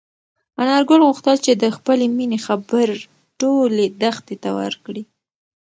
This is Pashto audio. انارګل غوښتل چې د خپلې مېنې خبر ټولې دښتې ته ورکړي.